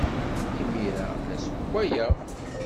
Imir-a, la ssewwayeɣ.